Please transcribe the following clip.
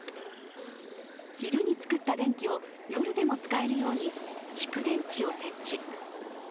昼に作った電気を夜でも使えるように蓄電池を設置。